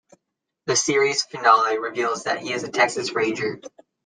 The series finale reveals that he is a Texas Ranger.